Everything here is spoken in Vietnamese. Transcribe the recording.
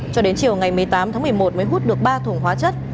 cho đến chiều ngày một mươi tám tháng một mươi một mới hút được ba thùng hóa chất